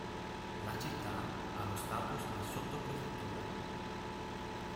La città ha lo status di sottoprefettura.